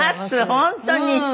本当に。